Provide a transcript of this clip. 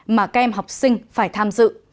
mà các em học sinh phải tham dự